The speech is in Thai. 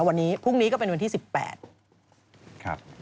วันนี้พรุ่งนี้ก็เป็นวันที่๑๘ครับ